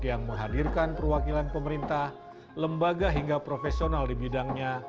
yang menghadirkan perwakilan pemerintah lembaga hingga profesional di bidangnya